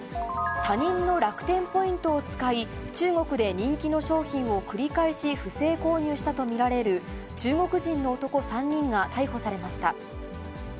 他人の楽天ポイントを使い、中国で人気の商品を繰り返し不正購入したと見られる、中国人の男３人が逮捕されました。